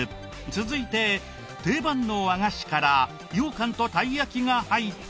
続いて定番の和菓子からようかんとたい焼きが入って。